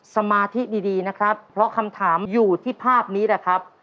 สมาธิดีนะครับเพราะคำถามอยู่ที่ภาพนี้แหละครับ